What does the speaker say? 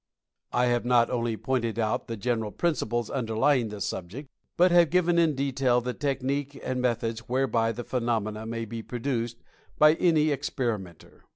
I have not only pointed out the general principles underlying the subject, but have given in detail the technique and methods whereby the phenomena may be produced by any experimenter.